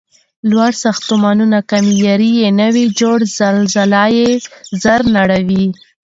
لوړ ساختمونه که معیاري نه وي جوړ، زلزله یې زر نړوي.